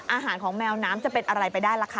อาหารของแมวน้ำจะเป็นอะไรไปได้ล่ะคะ